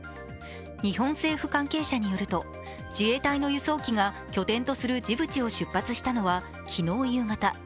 日本政府関係者によると自衛隊の輸送機が拠点とするジブチを出発したのは昨日夕方。